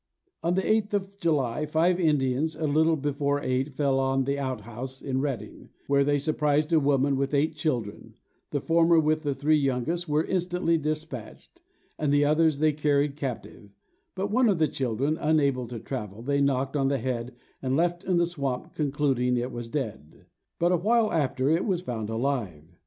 On the 8th of July, five Indians, a little before night, fell on an out house in Reading, where they surprised a woman with eight children: the former, with the three youngest, were instantly despatched, and the others they carried captive; but one of the children, unable to travel, they knocked on the head, and left in the swamp, concluding it was dead; but awhile after, it was found alive.